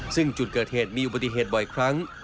ซึ่งจุดเกิดเหตุมีอุบัติเหตุบ่อยครั้ง